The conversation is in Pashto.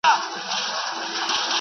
مرکزي ولایتونه ډېر غرني او سړې هوا لري.